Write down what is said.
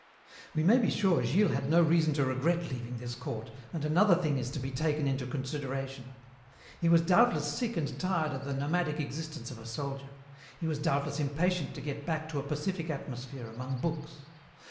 "We may be sure Gilles had no reason to regret leaving this court, and another thing is to be taken into consideration. He was doubtless sick and tired of the nomadic existence of a soldier. He was doubtless impatient to get back to a pacific atmosphere among books.